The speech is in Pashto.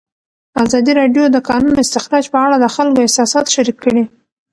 ازادي راډیو د د کانونو استخراج په اړه د خلکو احساسات شریک کړي.